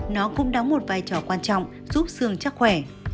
nó cũng đóng một vai trò quan trọng giúp xương chắc khỏe